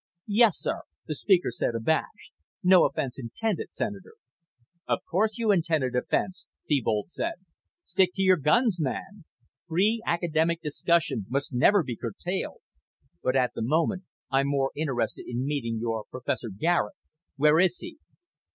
"Yes, sir," the speaker said, abashed. "No offense intended, Senator." "Of course you intended offense," Thebold said. "Stick to your guns, man. Free academic discussion must never be curtailed. But at the moment I'm more interested in meeting your Professor Garet. Where is he?"